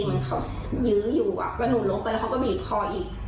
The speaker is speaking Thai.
มันเค้ายื้ออยู่อ่ะก็หนุนลงไปเค้าก็บีบคออีก